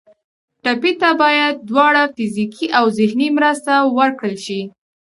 ټپي ته باید دواړه فزیکي او ذهني مرسته ورکړل شي.